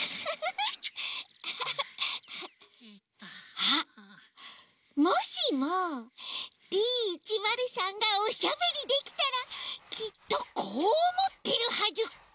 あっもしもＤ１０３がおしゃべりできたらきっとこうおもってるはず。